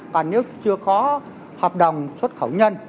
còn nếu chưa có hợp đồng xuất khẩu nhân